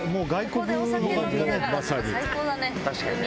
確かにね。